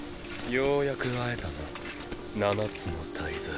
ようやく会えたな七つの大罪。